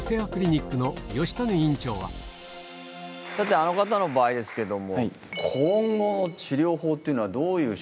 あの方の場合ですけども。